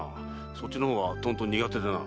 そっちの方はとんと苦手でな。